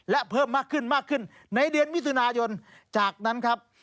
และเพิ่มมากขึ้นในเดือนวิศุนาโยนจากนั้นครับ